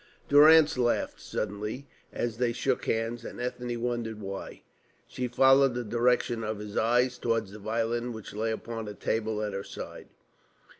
Durrance laughed suddenly as they shook hands, and Ethne wondered why. She followed the direction of his eyes towards the violin which lay upon a table at her side.